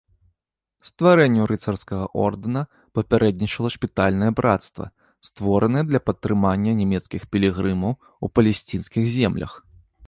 Стварэнню рыцарскага ордэна папярэднічала шпітальнае брацтва, створанае для падтрымання нямецкіх пілігрымаў у палесцінскіх землях.